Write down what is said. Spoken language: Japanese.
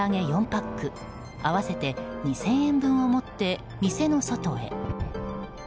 ４パック合わせて２０００円分を持って店の外へ。